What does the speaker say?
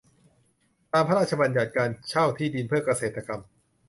ตาม พระราชบัญญัติการเช่าที่ดินเพื่อเกษตรกรรม